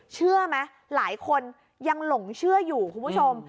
เชื่อไหมหลายคนยังหลงเชื่ออยู่คุณผู้ชม